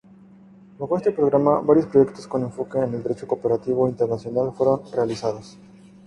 Bajo este programa varios proyectos con enfoque en el derecho comparativo internacional fueron realizados.